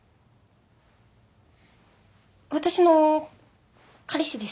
私の彼氏です。